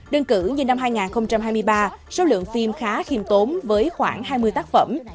đơn cử như năm hai nghìn hai mươi ba số lượng phim khá khiêm tốn với khoảng hai mươi tác phẩm